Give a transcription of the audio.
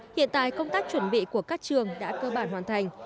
hiện tại công tác chuẩn bị của các trường đã cơ bản hoàn thành